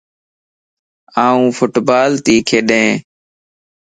آن فٽبال تي ڪڏين